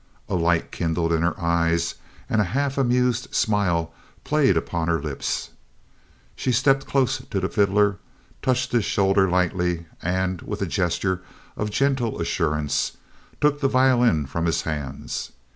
A light kindled in her eyes and a half amused smile played upon her lips; she stepped close to the fiddler, touched his shoulder lightly, and, with a gesture of gentle assurance, took the violin from his hands.